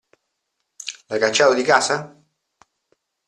L'hai cacciato di casa?